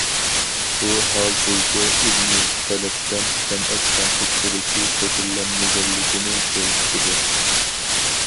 بۇ ھال بىزدە ئىلمىي، تەلەپچان سەنئەت تەنقىدچىلىكى شەكىللەنمىگەنلىكىنى كۆرسىتىدۇ.